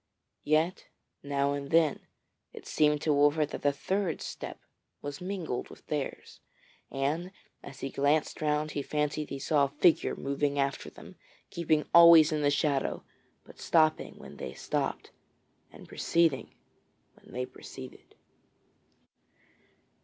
Yet, now and then it seemed to Wolfert that a third step mingled with theirs, and as he glanced round he fancied he saw a figure moving after them, keeping always in the shadow but stopping when they stopped, and proceeding when they proceeded.